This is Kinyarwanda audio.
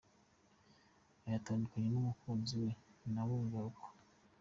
Iyo atandukanye n’umukunzi we nabwo biba uko.